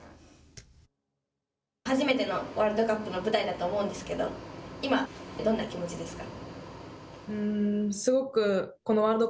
初めてのワールドカップの舞台だと思うんですけれども、今どんな気持ちですか。